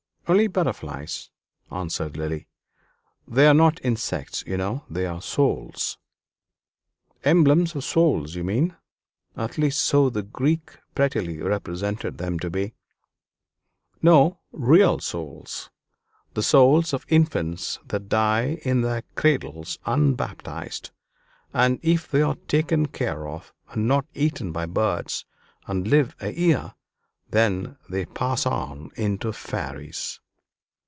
"Only butterflies," answered Lily; "they are not insects, you know; they are souls." "Emblems of souls, you mean at least so the Greeks prettily represented them to be." "No, real souls the souls of infants that die in their cradles unbaptized; and if they are taken care of, and not eaten by birds, and live a year, then they pass into fairies."